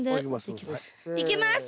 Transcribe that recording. いきます。